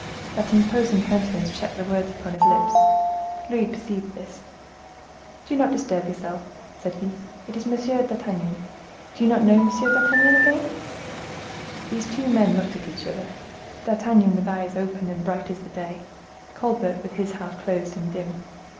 That imposing countenance checked the words upon his lips. Louis perceived this. "Do not disturb yourself," said he; "it is M. d'Artagnan,—do you not know M. d'Artagnan again?" These two men looked at each other—D'Artagnan, with eyes open and bright as the day—Colbert, with his half closed, and dim.